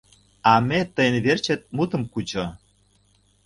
А ме тыйын верчет мутым кучо!